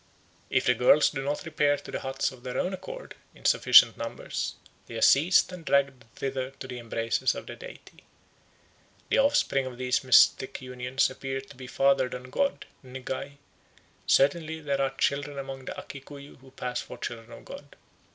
If the girls do not repair to the huts of their own accord in sufficient numbers, they are seized and dragged thither to the embraces of the deity. The offspring of these mystic unions appears to be fathered on God (ngai); certainly there are children among the Akikuyu who pass for children of God.